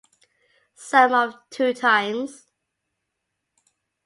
Sum of two times